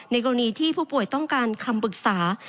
กรณีที่ผู้ป่วยต้องการคำปรึกษา